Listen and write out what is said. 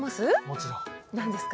もちろん。何ですか？